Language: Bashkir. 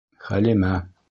Хәлимә